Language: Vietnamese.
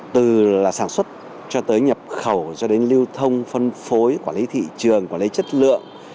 từ sản xuất cho tới nhập khẩu cho đến lưu thông phân phối quản lý thị trường quản lý chất lượng